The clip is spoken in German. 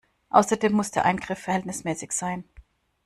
Außerdem muss der Eingriff verhältnismäßig sein.